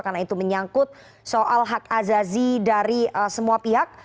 karena itu menyangkut soal hak azazi dari semua pihak